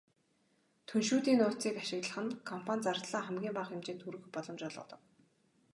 Түншүүдийн нууцыг ашиглах нь компани зардлаа хамгийн бага хэмжээнд хүргэх боломж олгодог.